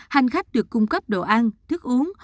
hành khách được cung cấp đồ ăn thức uống